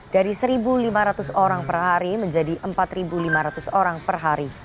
dari satu lima ratus orang per hari menjadi empat lima ratus orang per hari